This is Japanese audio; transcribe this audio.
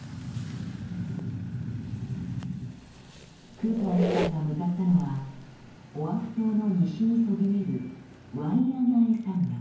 クーパー夫妻が向かったのはオアフ島の西にそびえるワイアナエ山脈。